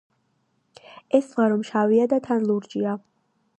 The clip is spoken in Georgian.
ეს ზღვა რომ შავია და თან ლურჯია